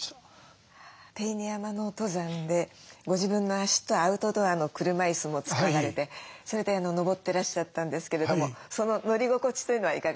手稲山の登山でご自分の足とアウトドアの車いすも使われてそれで登ってらっしゃったんですけれどもその乗り心地というのはいかがですか？